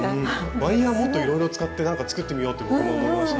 ワイヤーもっといろいろ使ってなんか作ってみようと僕も思いました。